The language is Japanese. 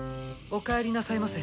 ・おかえりなさいませ